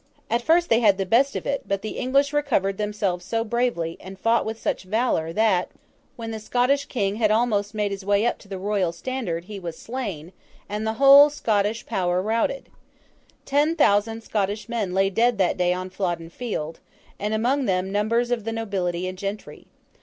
At first they had the best of it; but the English recovered themselves so bravely, and fought with such valour, that, when the Scottish King had almost made his way up to the Royal Standard, he was slain, and the whole Scottish power routed. Ten thousand Scottish men lay dead that day on Flodden Field; and among them, numbers of the nobility and gentry.